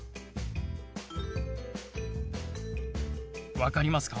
分かりますか？